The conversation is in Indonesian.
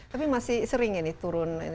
tapi masih sering ini turun